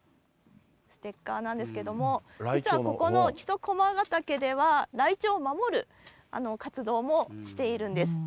ステッカーなんですけれども、実はここの木曽駒ヶ岳では、ライチョウを守る活動もしているんです。